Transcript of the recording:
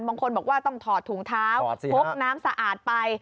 บางคนบอกว่าต้องถอดถุงเท้าพกน้ำสะอาดไป